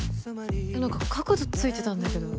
何か角度ついてたんだけど。